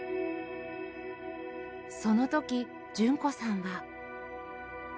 その時純子さんは